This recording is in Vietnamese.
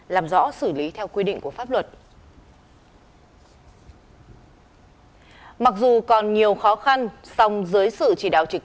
làm rõ xử lý theo quy định của pháp luật ạ mặc dù còn nhiều khó khăn xong dưới sự chỉ đáo